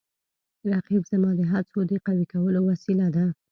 رقیب زما د هڅو د قوي کولو وسیله ده